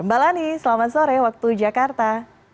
mbak lani selamat sore waktu jakarta